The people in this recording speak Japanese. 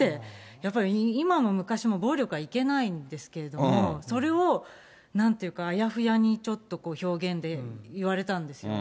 って、今も昔も暴力はいけないんですけれども、それをなんていうか、あやふやにちょっと表現で言われたんですよ。